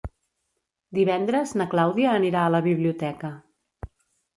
Divendres na Clàudia anirà a la biblioteca.